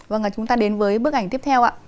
vâng chúng ta đến với bức ảnh tiếp theo ạ